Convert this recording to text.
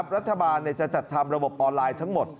รัฐบาลจะจัดทำระบบออนไลน์ทั้งหมด